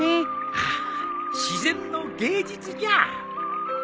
ああ自然の芸術じゃ。